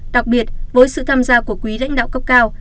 đặc biệt với sự tham gia của quý lãnh đạo cấp cao